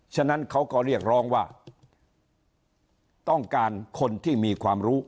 ฉะนั้นเขาก็เรียกร้องว่าต้องการคนที่มีความรู้